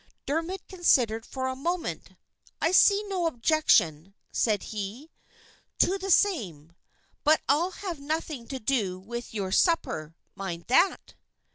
Dermod considered for a moment. "I see no objection," said he, "to the same. But I'll have nothing to do with your supper, mind that!"